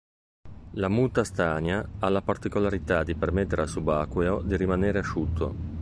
La "muta stagna" ha la particolarità di permettere al subacqueo di rimanere asciutto.